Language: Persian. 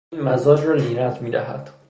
این مزاج را لینت میدهد.